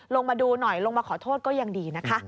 ลงมาดูหน่อยลงมาขอโทษก็ยังดีนะคะ